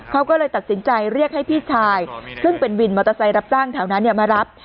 เขาก็เลยตัดสินใจเรียกให้พี่ชายซึ่งเป็นวินมอเตอร์ไซค์รับจ้างแถวนั้นมารับ